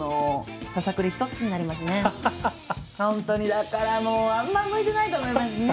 だからもうあんま向いてないと思いますね。